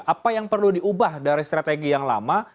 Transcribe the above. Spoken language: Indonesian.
apa yang perlu diubah dari strategi yang lama